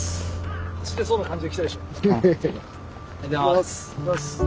おはようございます。